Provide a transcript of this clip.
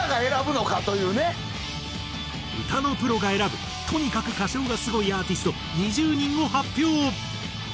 歌のプロが選ぶとにかく歌唱がスゴいアーティスト２０人を発表！